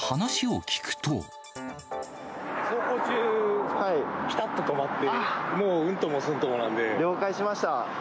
走行中、ぴたっと止まって、了解しました。